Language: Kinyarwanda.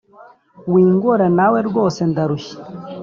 wingora nawe rwose ndarushye